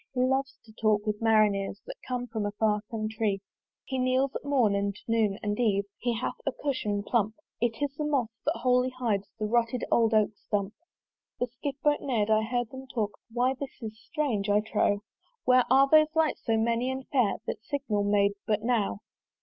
He loves to talk with Marineres That come from a far Contrée. He kneels at morn and noon and eve He hath a cushion plump: It is the moss, that wholly hides The rotted old Oak stump. The Skiff boat ne'rd: I heard them talk, "Why, this is strange, I trow! "Where are those lights so many and fair "That signal made but now?